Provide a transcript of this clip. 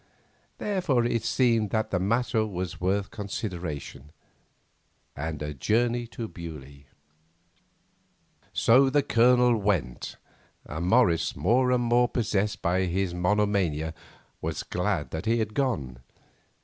Therefore it seemed that the matter was worth consideration—and a journey to Beaulieu. So the Colonel went, and Morris, more and more possessed by his monomania, was glad that he had gone.